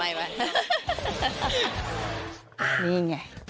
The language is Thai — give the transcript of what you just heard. อ่านี่ไง